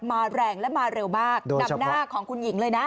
แรงและมาเร็วมากดำหน้าของคุณหญิงเลยนะ